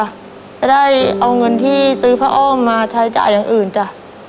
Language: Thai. จะได้เอาเงินที่ซื้อผ้าอ้อมมาใช้จ่ายอย่างอื่นจ้ะ